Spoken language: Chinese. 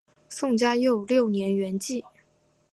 宋嘉佑六年圆寂。